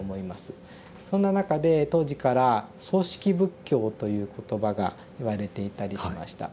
そんな中で当時から「葬式仏教」という言葉が言われていたりしました。